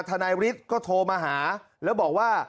นายฤทธิ์ก็โทรมาหาแล้วบอกว่า